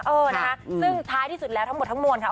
เออนะคะซึ่งท้ายที่สุดแล้วทั้งหมดทั้งมวลค่ะ